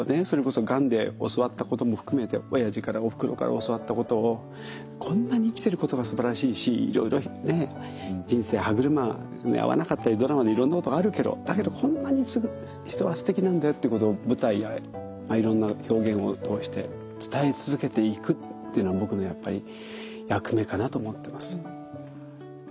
それこそがんで教わったことも含めておやじからおふくろから教わったことをこんなに生きてることがすばらしいしいろいろね人生歯車合わなかったりドラマでいろんなことがあるけどだけどこんなに人はすてきなんだよっていうことを舞台やいろんな表現を通して伝え続けていくっていうのは僕のやっぱり役目かなと思ってます。